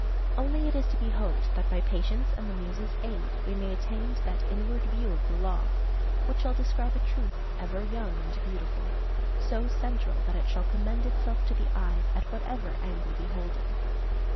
Only it is to be hoped that by patience and the Muses' aid we may attain to that inward view of the law which shall describe a truth ever young and beautiful, so central that it shall commend itself to the eye, at whatever angle beholden.